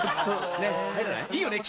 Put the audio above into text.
いいよね？